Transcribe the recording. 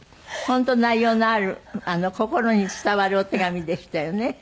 本当内容のある心に伝わるお手紙でしたよね。